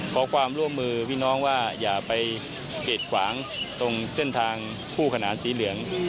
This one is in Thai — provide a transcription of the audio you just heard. ขอความร่วมมือพี่น้องว่าอย่าไปเกรดขวางตรงเส้นทางคู่ขนานสีเหลือง